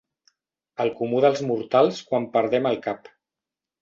El comú dels mortals quan perdem el cap.